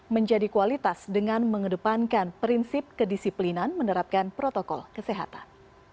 menjadi kualitas dengan mengedepankan prinsip kedisiplinan menerapkan protokol kesehatan